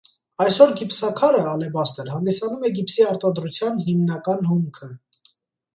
Այսօր գիպսաքարը (ալեբաստր) հանդիսանում է գիպսի արտադրության հիմնական հումքը։